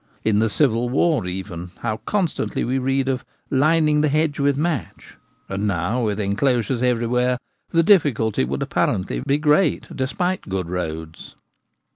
In the Civil War even, how constantly we read of ' lining the hedge with match/ and now with enclosures everywhere the difficulty would apparently be great, despite good roads.